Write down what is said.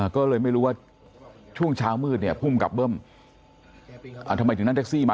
ก็เลยไม่รู้ว่าช่วงเช้ามืดเนี่ยภูมิกับเบิ้มทำไมถึงนั่งแท็กซี่มา